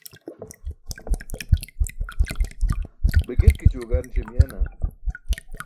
Be girkićue gan śebiyena?